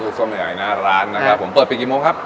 ส้มใหญ่หน้าร้านนะครับผมเปิดปิดกี่โมงครับ